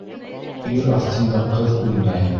Ир аҫтында ҡыҙ үлмәй.